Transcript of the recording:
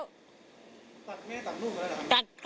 แม่ตัดลูกแล้วเหรอครับ